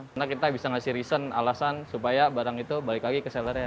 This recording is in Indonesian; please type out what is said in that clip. karena kita bisa ngasih reason alasan supaya barang itu balik lagi ke sellernya